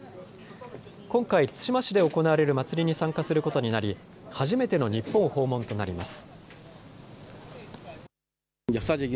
今回、対馬市で行われる祭りに参加することになり初めての日本訪問となります。